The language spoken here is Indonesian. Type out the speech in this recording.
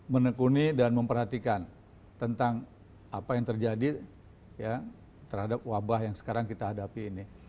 menekuni dan memperhatikan tentang apa yang terjadi terhadap wabah yang sekarang kita hadapi ini